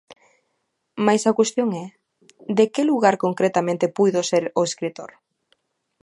Mais a cuestión é: de que lugar concretamente puido ser o escritor?